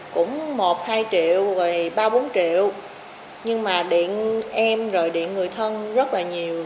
công an tỉnh lào cai